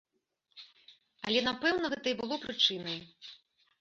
Але, напэўна, гэта і было прычынай.